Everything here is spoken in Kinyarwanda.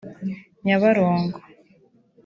Nyabarongo